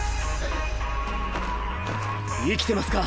生きてますか？